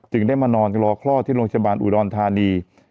จึงได้มานอนกับรอคลอดที่โรงชาบานอุดองทานี